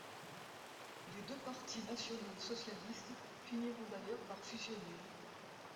Les deux parti nationaux-socialistes finiront d'ailleurs par fusionner.